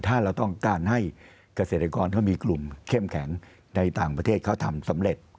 ถ้าเราต้องการให้เกษตรกรเขามีกลุ่มเข้มแข็งในต่างประเทศเขาทำสำเร็จ